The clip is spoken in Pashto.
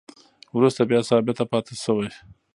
وروسته بیا ثابته پاتې شوې